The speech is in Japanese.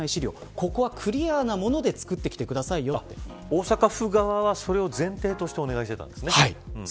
大阪府側はそれを前提としてお願いしてたんですね。